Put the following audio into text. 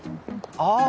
ああ！